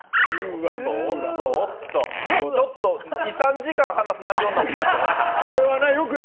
ちょっと２３時間話す内容になってきましたよ。